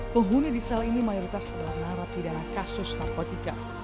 penghuni di sel ini mayoritas adalah narapidana kasus narkotika